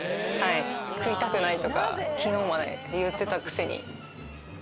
食いたくないとか昨日まで言ってたくせに。